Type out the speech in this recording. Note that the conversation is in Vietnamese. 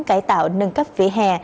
cải tạo nâng cấp vỉa hè